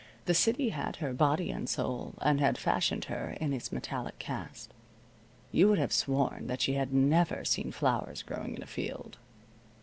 The city had her, body and soul, and had fashioned her in its metallic cast. You would have sworn that she had never seen flowers growing in a field.